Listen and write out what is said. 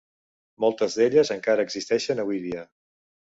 Moltes d’elles encara existeixen avui dia.